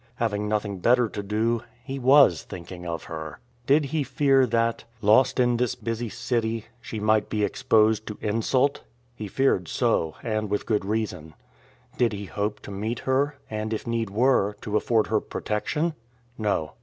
Having nothing better to do, he WAS thinking of her. Did he fear that, lost in this busy city, she might be exposed to insult? He feared so, and with good reason. Did he hope to meet her, and, if need were, to afford her protection? No.